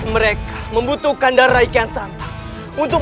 mereka membutuhkan dan rahi yang santah